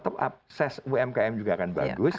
top up size umkm juga akan bagus